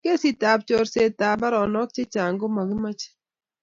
kesit abchorset ab mbaronok che chang komakimaet